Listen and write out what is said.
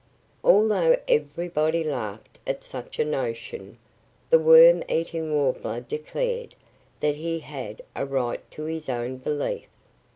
Although everybody laughed at such a notion, the Worm eating Warbler declared that he had a right to his own belief.